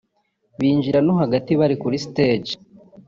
binjira no hagati bari kuri Stage